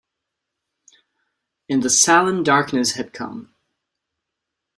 In the salon darkness had come.